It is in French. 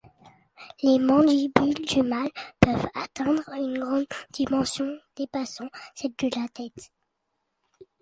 Les mandibules du mâle peuvent atteindre une grande dimension dépassant celle de la tête.